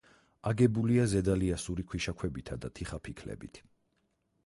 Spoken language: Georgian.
აგებულია ზედალიასური ქვიშაქვებითა და თიხაფიქლებით.